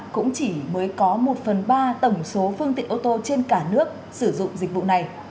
cũng chỉ mới có một phần ba tổng số phương tiện ô tô trên cả nước sử dụng dịch vụ này